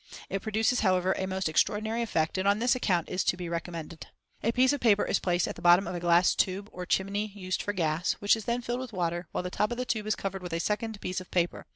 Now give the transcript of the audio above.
It produces, however, a most extraordinary effect, and on this account is to be recommended. A piece of paper is placed at the bottom of a glass tube or chimney used for gas, which is then filled with water, while the top of the tube is covered with a second piece of paper.